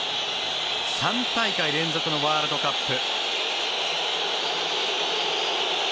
３大会連続のワールドカップ。